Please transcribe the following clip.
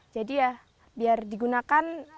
jadi ya biar digunakan